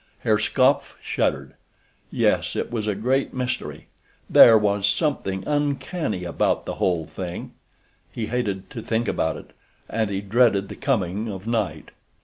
Herr Skopf shuddered. Yes, it was a great mystery—there was something uncanny about the whole thing—he hated to think about it, and he dreaded the coming of night.